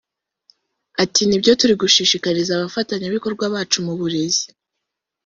Ati “Ni byo turi gushishikariza abafatanya bikorwa bacu mu burezi